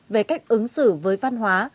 về cách ứng xử với văn hóa